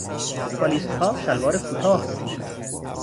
فوتبالیستها شلوار کوتاه میپوشند.